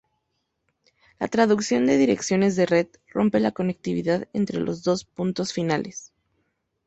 La traducción de direcciones de red rompe la conectividad entre los dos puntos finales.